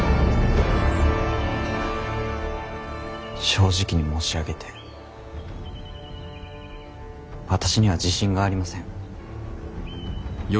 正直に申し上げて私には自信がありません。